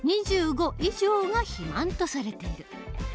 ２５以上が肥満とされている。